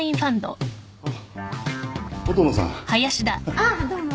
ああどうも。